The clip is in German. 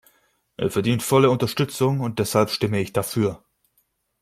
Er verdient volle Unterstützung, und deshalb stimme ich dafür.